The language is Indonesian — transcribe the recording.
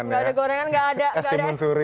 nggak ada gorengan nggak ada es timun suri